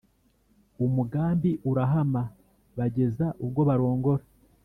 umugambi urahama; bageza ubwo barongora.